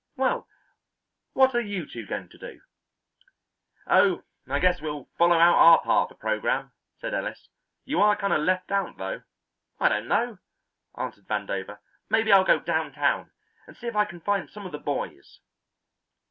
Well, what are you two going to do?" "Oh, I guess we'll follow out our part of the programme," said Ellis. "You are kind of left out, though." "I don't know," answered Vandover. "Maybe I'll go downtown, and see if I can find some of the boys."